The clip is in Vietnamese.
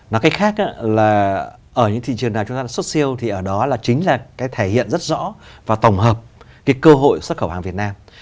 nói cách khác là ở những thị trường nào chúng ta xuất siêu thì ở đó là chính là cái thể hiện rất rõ và tổng hợp cái cơ hội xuất khẩu hàng việt nam